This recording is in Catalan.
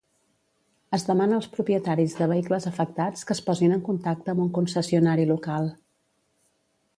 Es demana als propietaris de vehicles afectats que es posin en contacte amb un concessionari local.